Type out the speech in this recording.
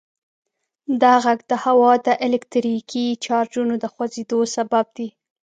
دا غږ د هوا د الکتریکي چارجونو د خوځیدو سبب دی.